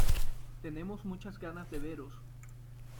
Tenemos muchas ganas de veros.